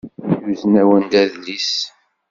Yuzen-awen-d adlis.